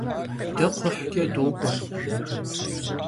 De kxhuhç'e dok'ue.